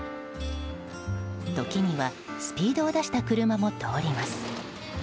時にはスピードを出した車も通ります。